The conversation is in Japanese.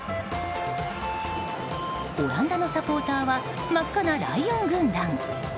オランダのサポーターは真っ赤なライオン軍団。